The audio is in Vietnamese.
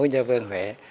nhà vương huệ